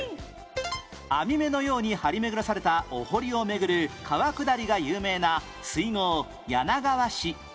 網目のように張り巡らされたお堀を巡る川下りが有名な水郷柳川市